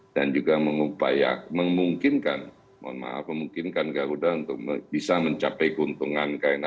dan juga memungkinkan garuda untuk bisa mencapai keuntungan